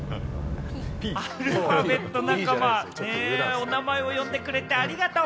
お名前を呼んでくれてありがとう！